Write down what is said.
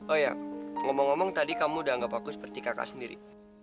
oh ya ngomong ngomong tadi kamu udah anggap aku seperti kakak sendiri